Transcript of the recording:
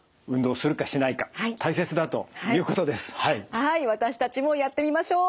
はい私たちもやってみましょう！